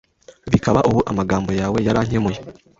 Bikaba ubu amagambo yawe yarankemuye